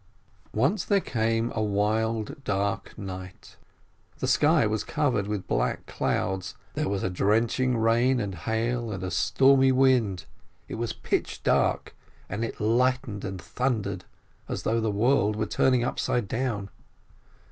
Once there came a wild, dark night. The sky was covered with black clouds, there was a drenching rain and hail and a stormy wind, it was pitch dark, and it lightened and thundered, as though the world were turning upside down.